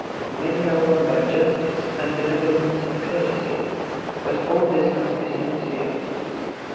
Many are won by justice and benevolence and courtesy, but all this must be sincere.